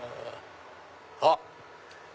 あっ！